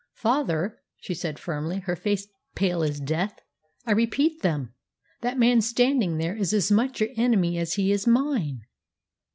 "Father," she said firmly, her face pale as death, "I repeat them. That man standing there is as much your enemy as he is mine!"